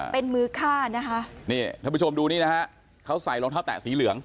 เป็นมือฆ่านะคะนี่ท่านผู้ชมดูนี่นะฮะเขาใส่รองเท้าแตะสีเหลือง